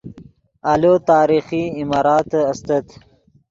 آلو تاریخی عماراتے استت